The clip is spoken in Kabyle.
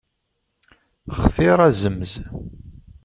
Xtir azemz.